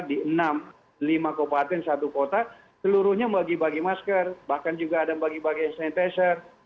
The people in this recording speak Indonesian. di enam lima kekuatan satu kota seluruhnya membagi bagi masker bahkan juga ada membagi bagi sanitizer